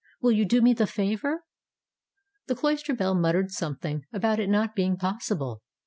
Will you do me the favor ?" The cloister bell muttered something about its not being possible.